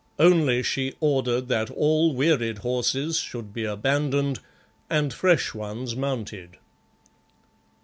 Only she ordered that all wearied horses should be abandoned and fresh ones mounted.